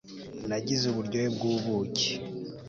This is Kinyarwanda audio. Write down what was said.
nagize uburyohe bw'ubuki